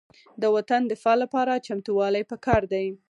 د وطن دفاع لپاره چمتووالی پکار دی.